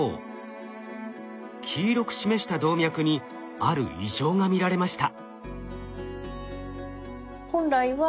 黄色く示した動脈にある異常が見られました。